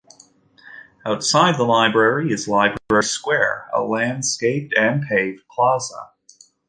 Outside the library is Library Square, a landscaped and paved plaza.